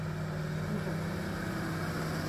N'ouzont ket.